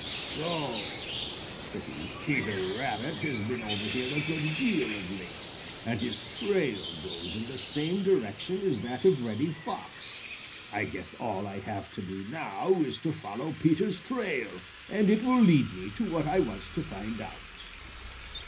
"So," said he, "Peter Rabbit has been over here a good deal of late, and his trail goes in the same direction as that of Reddy Fox. I guess all I have to do now is to follow Peter's trail, and it will lead me to what I want to find out."